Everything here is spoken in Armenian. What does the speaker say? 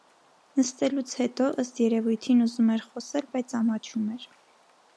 Նստելուց հետո, ըստ երևույթին, ուզում էր խոսել, բայց ամաչում էր.